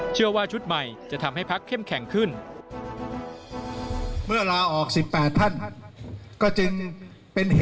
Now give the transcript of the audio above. เชื่อว่าชุดใหม่จะทำให้พักเข้มแข็งขึ้น